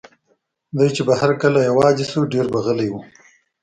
دی چې به هر کله یوازې شو، ډېر به غلی و.